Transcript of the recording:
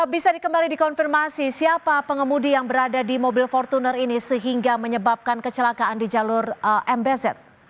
bisa dikembali dikonfirmasi siapa pengemudi yang berada di mobil fortuner ini sehingga menyebabkan kecelakaan di jalur mbz